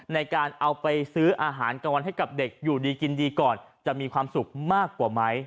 ในการเอาไปซื้ออาหารกลางวันให้กับเด็กอยู่ดีกินดีก่อนจะมีความสุขมากกว่าไหม